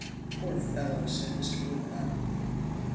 "Poor fellow!" said Mr. Woodcock.